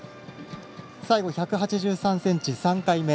最後、１８３ｃｍ３回目。